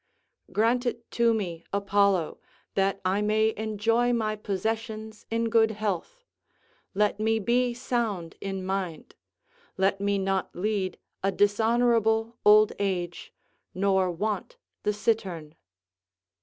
["Grant it to me, Apollo, that I may enjoy my possessions in good health; let me be sound in mind; let me not lead a dishonourable old age, nor want the cittern."